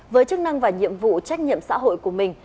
với chức năng và nhiệm vụ trách nhiệm xã hội của mình